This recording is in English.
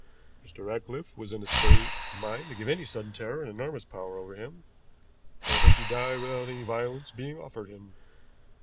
Mr. Ratcliffe was in a state of mind to give any sudden terror an enormous power over him, and I think he died without any violence being offered him.